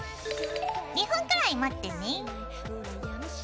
２分くらい待ってね。